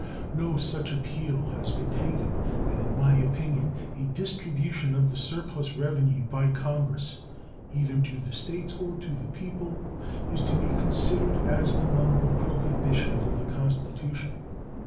No such appeal has been taken, and in my opinion a distribution of the surplus revenue by Congress either to the States or the people is to be considered as among the prohibitions of the Constitution.